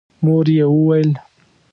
مور يې وويل: